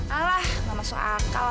alah gak masuk akal